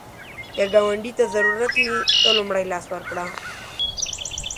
که ګاونډي ته ضرورت وي، ته لومړی لاس ورکړه